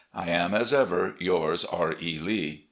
. I am, as ever. Yours, "R. E. Lee."